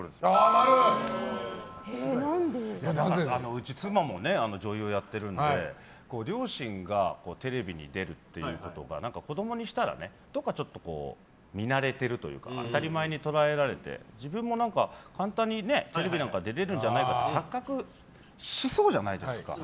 うち妻も女優をやっているので両親がテレビに出るっていうことが子供にしたら、どこかちょっと見慣れているというか当たり前に捉えられて自分も簡単にテレビなんか出れるんじゃないかって錯覚しそうじゃないですか。